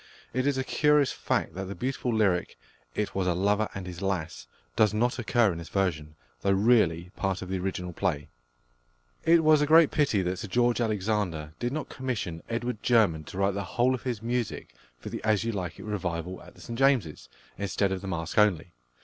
It is a curious fact that the beautiful lyric, "It was a lover and his lass," does not occur in this version, though really part of the original play. It was a great pity that Sir George Alexander did not commission +Edward German+ to write the whole of his music for the As You Like It revival at the St James's, instead of the Masque only.